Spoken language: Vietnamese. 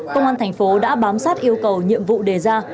công an tp đã bám sát yêu cầu nhiệm vụ đề ra